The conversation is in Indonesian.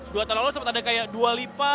dua tahun lalu sempat ada kayak dua lipa